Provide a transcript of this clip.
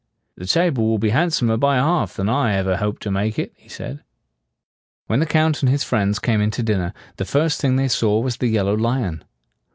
"The table will be hand som er by half than I ever hoped to make it," he said. When the Count and his friends came in to dinner, the first thing they saw was the yellow lion.